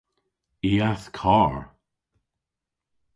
I a'th kar.